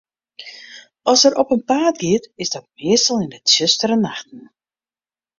As er op 'en paad giet, is dat meastal yn tsjustere nachten.